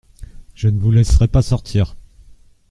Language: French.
Je ne vous laisserai pas sortir.